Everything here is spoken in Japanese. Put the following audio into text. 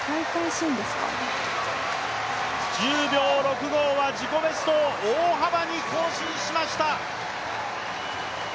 １０秒６５は自己ベストを大幅に更新しました。